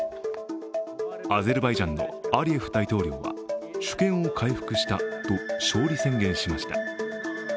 アゼルバイジャンのアリエフ大統領は主権を回復したと勝利宣言しました。